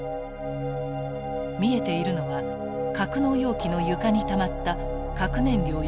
見えているのは格納容器の床にたまった核燃料や構造物。